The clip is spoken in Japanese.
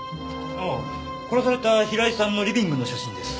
ああ殺された平井さんのリビングの写真です